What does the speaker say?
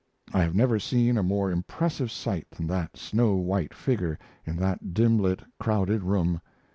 I have never seen a more impressive sight than that snow white figure in that dim lit, crowded room.